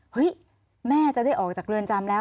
เฮ้ยแม่จะได้ออกจากเรือนจำแล้ว